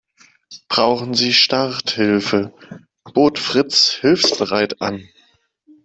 Brauchen Sie Starthilfe?, bot Fritz hilfsbereit an.